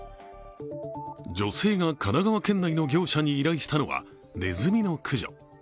女性が神奈川県内の業者に依頼したのはねずみの駆除。